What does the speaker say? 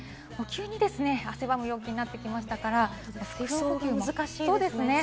急に汗ばむ陽気になってきましたから服装が難しいですよね。